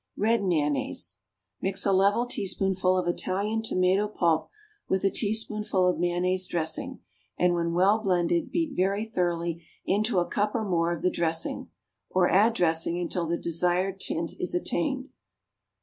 =Red Mayonnaise.= Mix a level teaspoonful of Italian tomato pulp with a teaspoonful of mayonnaise dressing, and when well blended beat very thoroughly into a cup or more of the dressing, or add dressing until the desired tint is attained.